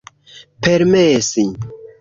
permesi